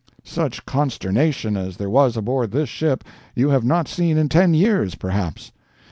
Such consternation as there was aboard this ship you have not seen in ten years, perhaps.